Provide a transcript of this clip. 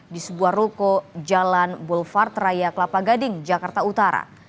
di sebuah ruko jalan bulvard raya kelapa gading jakarta utara